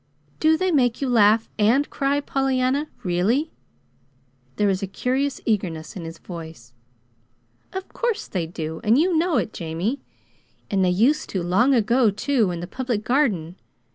"DO they make you laugh and cry, Pollyanna really?" There was a curious eagerness in his voice. "Of course they do, and you know it, Jamie. And they used to long ago, too, in the Public Garden.